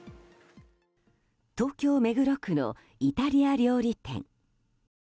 東京・目黒区のイタリア料理店。